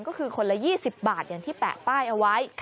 ก็คือคนละ๒๐บาทอย่างที่แปะป้ายเอาไว้